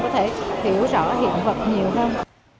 có thể hiểu rõ hiện vật nhiều hơn